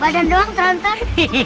badan doang terantar